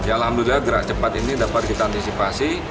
ya alhamdulillah gerak cepat ini dapat kita antisipasi